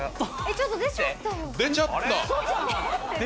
・ちょっと出ちゃったよ。